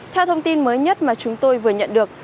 theo thông tin mới nhất mà chúng tôi vừa nhận được